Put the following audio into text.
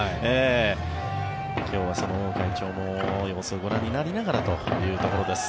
今日はその王会長も様子をご覧になりながらというところです。